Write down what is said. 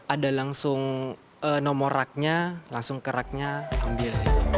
ada langsung nomor raknya langsung ke raknya ambil